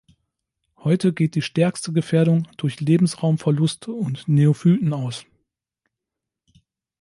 Heute geht die stärkste Gefährdung durch Lebensraumverlust und Neophyten aus.